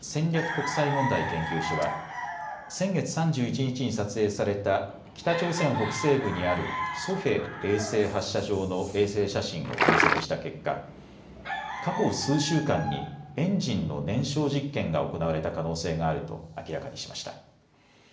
国際問題研究所は先月３１日に撮影された北朝鮮北西部にあるソヘ衛星発射場の衛星写真を分析した結果、過去数週間にエンジンの燃焼実験が行われた可能性があると明らかにしました。